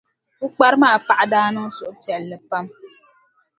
Pukpara maa paɣa daa niŋ suhupiɛlli pam.